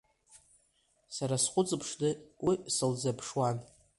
Сара схәыҵыԥшны уи сылзыԥшуан.